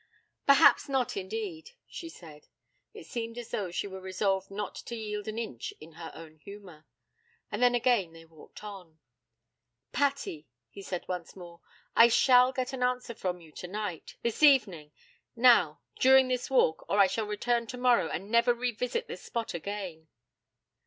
'Perhaps not, indeed,' she said. It seemed as though she were resolved not to yield an inch in her own humour. And then again they walked on. 'Patty,' he said once more, 'I shall get an answer from you tonight, this evening; now, during this walk, or I shall return tomorrow, and never revisit this spot again.'